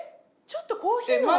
ちょっとコーヒーの。